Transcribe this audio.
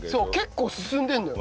結構進んでるのよ。